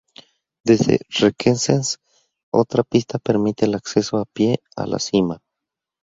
Desde Requesens otra pista permite el acceso, a pie, a la cima.